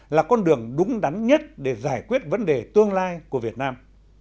là con đường đúng đắn nhất để giải quyết vấn đề tương lai của việt nam